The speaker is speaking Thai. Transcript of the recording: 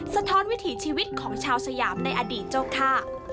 สะท้อนวิถีชีวิตของชาวสยามในอดีตเจ้าค่า